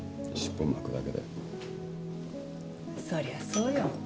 そりゃそうよ。